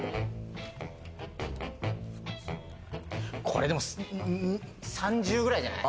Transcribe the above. これでも３０くらいじゃない？